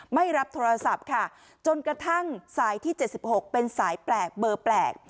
ไม่รับโทรศัพท์ค่ะจนกระทั่งสายที่๗๖เป็นสายแปลกเบอร์แปลก